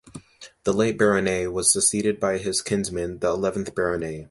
The late Baronet was succeeded by his kinsman, the eleventh Baronet.